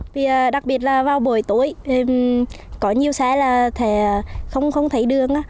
vì đặc biệt là vào buổi tối có nhiều xe là thẻ không thấy đường